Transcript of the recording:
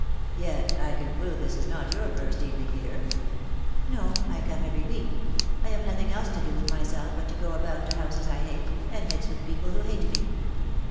"Yet I conclude this is not your first evening here ?"" No ; I come every week. I have nothing else to do with myself but to go about to houses I hate, and mix with people who hate me."